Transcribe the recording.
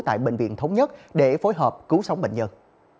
tại bệnh viện thống nhất để phối hợp cứu sống bệnh nhân